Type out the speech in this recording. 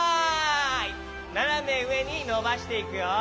ななめうえにのばしていくよ。